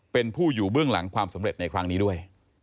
เป็นผู้อยู่เบื้องหลังความสำเร็จในครั้งนี้ด้วย